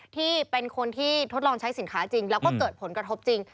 ที่เป็นคนที่ทดลองใช้สินค้าจริงแล้วก็เกิดผลกระทบจริง